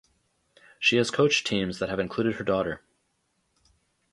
She has coached teams that have included her daughter.